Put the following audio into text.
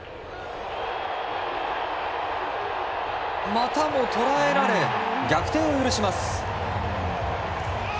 またも捉えられ逆転を許します。